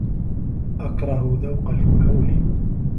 أكره ذوق الكحول.